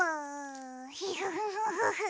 フフフフフ。